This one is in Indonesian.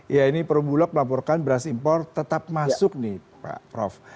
ya ini perumbulok melaporkan beras impor tetap masuk nih prof